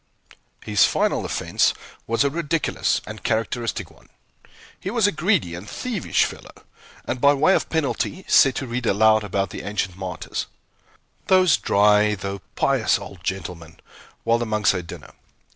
His final offence was a ridiculous and characteristic one. He was a greedy and thievish fellow, and was by way of penalty set to read aloud about the ancient martyrs, those dry though pious old gentlemen, while the monks ate dinner.